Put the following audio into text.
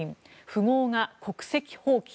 富豪が国籍放棄。